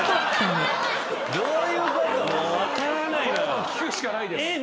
これは聞くしかないです。